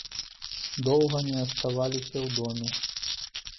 Доўга не аставаліся ў доме.